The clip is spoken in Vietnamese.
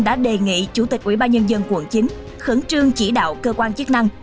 đã đề nghị chủ tịch ubnd quận chín khẩn trương chỉ đạo cơ quan chức năng